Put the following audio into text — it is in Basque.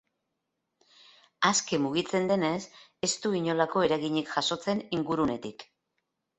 Aske mugitzen denez, ez du inolako eraginik jasotzen ingurunetik.